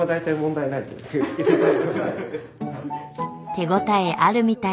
手応えあるみたい。